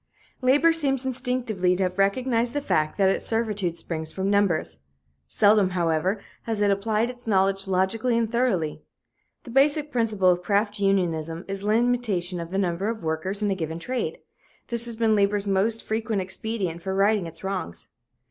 Labor seems instinctively to have recognized the fact that its servitude springs from numbers. Seldom, however, has it applied its knowledge logically and thoroughly. The basic principle of craft unionism is limitation of the number of workers in a given trade. This has been labor's most frequent expedient for righting its wrongs.